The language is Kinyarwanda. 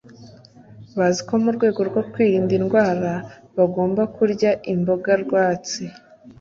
bazi ko mu rwego rwo kwirinda indwara bagomba kurya imboga rwatsi.